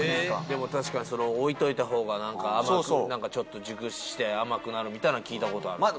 でも確かに置いといたほうが甘くちょっと熟して甘くなるみたいなの聞いたことある。